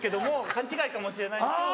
勘違いかもしれないんですけど。